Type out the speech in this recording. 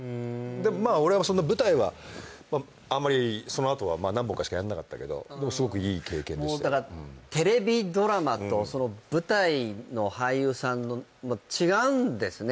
まあ俺はそんな舞台はあんまりそのあとは何本かしかやんなかったけどテレビドラマと舞台の俳優さんの違うんですね